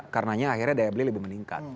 karena akhirnya daya beli lebih meningkat